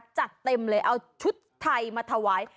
จัดเต็มเลยเอาชุดไทยมาถวาย